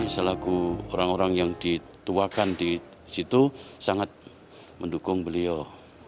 selaku orang orang yang dituakan di situ sangat mendukung beliau